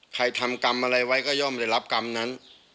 ทำกรรมอะไรไว้ก็ย่อมได้รับกรรมนั้น